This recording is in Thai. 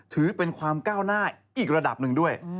ถือเป็นความก้าวหน้าอีกระดับหนึ่งด้วย